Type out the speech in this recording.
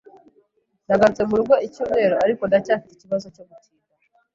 Nagarutse murugo icyumweru, ariko ndacyafite ikibazo cyo gutinda.